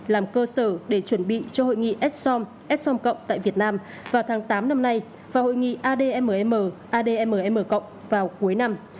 làm cơ sở để chuẩn bị cho hội nghị s som s som cộng tại việt nam vào tháng tám năm nay và hội nghị admm admm vào cuối năm